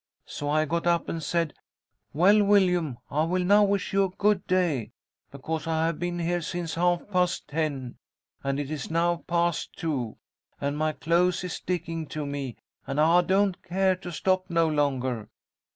So I got up, and I said, 'Well, Willyum, I will now wish you a good day; because I have been here since half past ten, and it is now past two, and my clothes is sticking to me, and I don't care to stop no longer.'